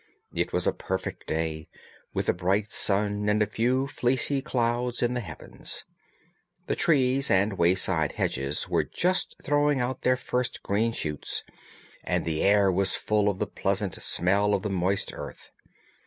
It was a perfect day, with a bright sun and a few fleecy clouds in the heavens. The trees and wayside hedges were just throwing out their first green shoots, and the air was full of the pleasant smell of the moist earth.